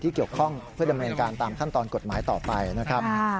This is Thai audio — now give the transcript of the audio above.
เกี่ยวข้องเพื่อดำเนินการตามขั้นตอนกฎหมายต่อไปนะครับ